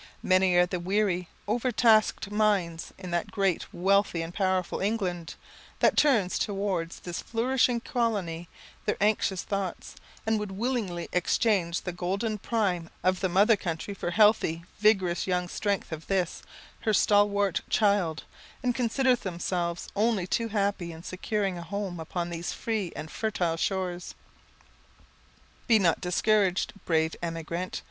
Many are the weary, overtasked minds in that great, wealthy, and powerful England, that turn towards this flourishing colony their anxious thoughts, and would willingly exchange the golden prime of the mother country for the healthy, vigorous young strength of this, her stalwart child, and consider themselves only too happy in securing a home upon these free and fertile shores. Be not discouraged, brave emigrant.